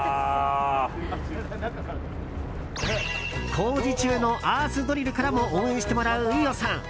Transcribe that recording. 工事中のアースドリルからも応援してもらう飯尾さん。